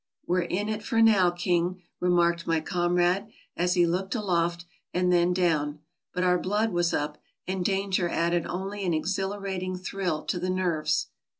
"We're in for it now, King," remarked my comrade, as he looked aloft and then down ; but our blood was up, and danger added only an exhilarating thrill to the nerves.